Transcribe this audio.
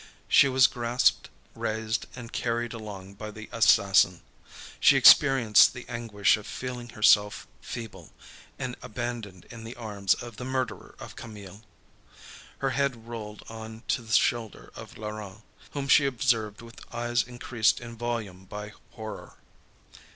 She was grasped, raised and carried along by the assassin; she experienced the anguish of feeling herself feeble and abandoned in the arms of the murderer of Camille. Her head rolled on to the shoulder of Laurent, whom she observed with eyes increased in volume by horror.